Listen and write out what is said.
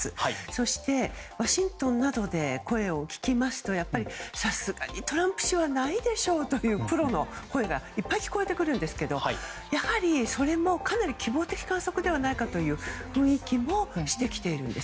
そして、ワシントンなどで声を聞きますとやっぱりさすがにトランプ氏はないでしょうというプロの声がいっぱい聞こえてくるんですけどそれも希望的観測ではないかという雰囲気もしてきています。